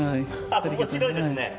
面白いですね。